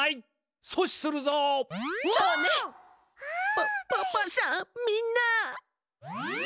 パパパさんみんな！